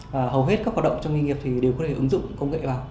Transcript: và hầu hết các hoạt động trong doanh nghiệp thì đều có thể ứng dụng công nghệ vào